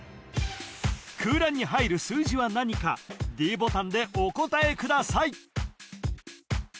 空欄に入る数字は何かｄボタンでお答えください